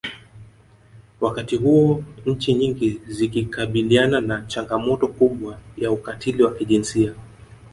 Wakati huo nchi nyingi zikikabiliana na changamoto kubwa ya ukatili wa kijinsia